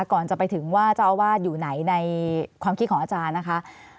ก่อนจะไปถึงว่าเจ้าอาวาสอยู่ไหนในความคิดของอาจารย์นะคะ